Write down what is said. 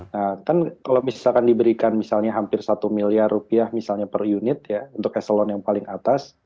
nah kan kalau misalkan diberikan misalnya hampir satu miliar rupiah misalnya per unit ya untuk eselon yang paling atas